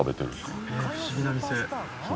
へえ不思議な店。